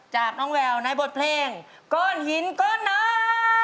จากน้องแววในบทเพลงก้อนหินก้อนหน้า